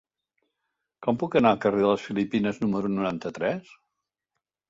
Com puc anar al carrer de les Filipines número noranta-tres?